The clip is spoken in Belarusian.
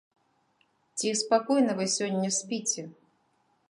Ці спакойна вы сёння спіце?